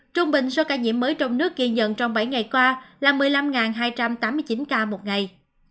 trung bình số ca nhiễm mới trong nước ghi nhận trong bảy ngày qua là một mươi năm hai trăm tám mươi chín ca một ngày